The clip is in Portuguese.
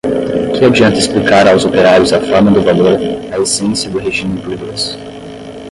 que adianta explicar aos operários a forma do valor, a essência do regime burguês